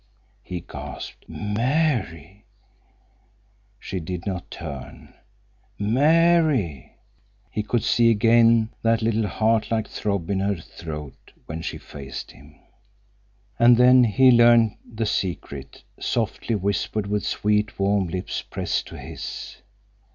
He gasped. "Mary!" She did not turn. "Mary!" He could see again that little, heart like throb in her throat when she faced him. And then he learned the secret, softly whispered, with sweet, warm lips pressed to his.